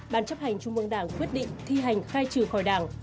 ban chấp hành trung mương đảng quyết định thi hành khai trừ khỏi đảng